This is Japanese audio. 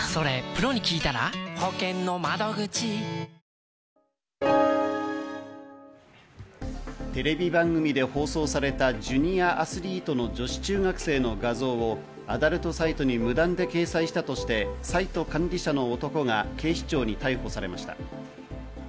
円相場はテレビ番組で放送されたジュニアアスリートの女子中学生の画像をアダルトサイトに無断で掲載したとして、サイト管理者の男が警視庁に逮捕されました。